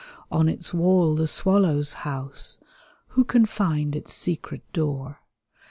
On its wall the swallows house, who can find its secret door?